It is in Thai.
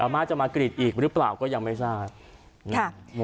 มาจะมากรีดอีกหรือเปล่าก็ยังไม่ทราบ